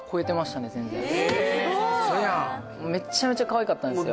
何なら嘘やんめちゃめちゃかわいかったんですよ